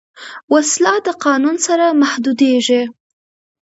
وسله د قانون سره محدودېږي